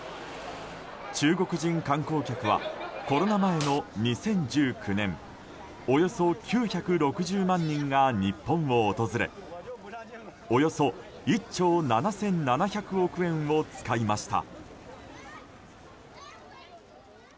中国人観光客はコロナ前の２０１９年およそ９６０万人が日本を訪れおよそ１兆７７００億円を使いました。